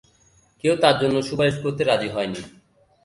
কেউ তার জন্য সুপারিশ করতে রাজি হয়নি।